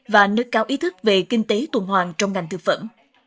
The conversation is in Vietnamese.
và nâng cao ý thức về kinh tế tuần hoàng trong ngành thực phẩm